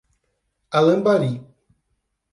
Alambari